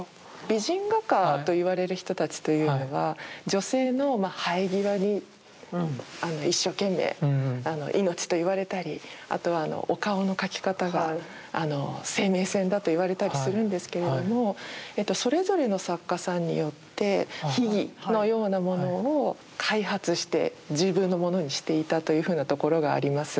美人画家と言われる人たちというのは女性の生え際に一生懸命命と言われたりあとはお顔の描き方が生命線だと言われたりするんですけれどもそれぞれの作家さんによって秘技のようなものを開発して自分のものにしていたというふうなところがあります。